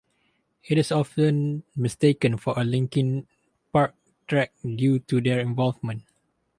It is often mistaken for a Linkin Park track due to their involvement.